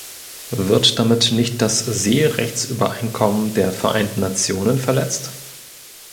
Wird damit nicht das Seerechtsübereinkommen der Vereinten Nationen verletzt?